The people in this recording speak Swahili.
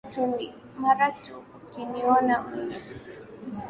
Mara tu ukiniona uniite.